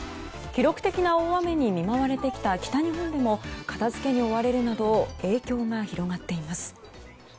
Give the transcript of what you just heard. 記録的な大雨に見舞われてきた北日本でも片付けに追われるなど影響が広がっています。